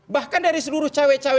bahkan dari seluruh cawe cawe